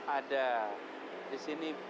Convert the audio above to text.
ada di sini